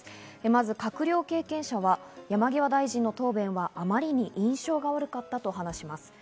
まず閣僚経験者は山際大臣の答弁はあまりに印象が悪かったと話します。